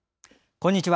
こんにちは。